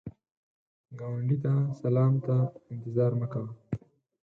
ګاونډي ته سلام ته انتظار مه کوه